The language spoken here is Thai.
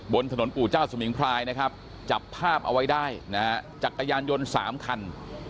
บนถนนปู่เจ้าสมิงพรายนะครับจับภาพเอาไว้ได้นะฮะจักรยานยนต์๓คัน